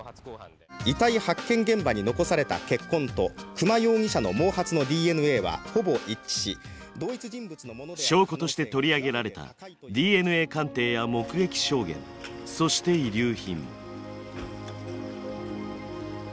遺体発見現場に残された血痕と久間容疑者の毛髪のＤＮＡはほぼ一致し同一人物の証拠として取り上げられたＤＮＡ鑑定や目撃証言そして遺留品。